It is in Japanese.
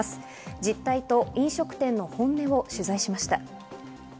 実態と飲食店の本音を取材しました。